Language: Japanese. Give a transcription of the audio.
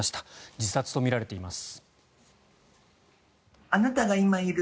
自殺とみられています。